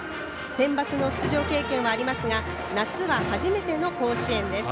センバツの出場経験はありますが夏は初めての甲子園です。